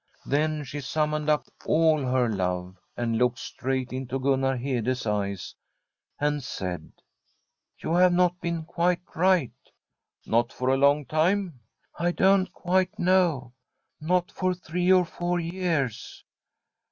Then she summoned up all her love, and looked straight into Gunnar Hede's eves, and said :* You have not been quite right.' * Not for a long time ?'* I don't quite know — not for three or four years.'